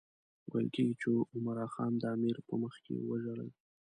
ویل کېږي چې عمرا خان د امیر په مخکې وژړل.